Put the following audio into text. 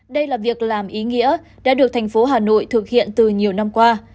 đây là việc làm ý nghĩa đã được thành phố hà nội thực hiện từ nhiều năm qua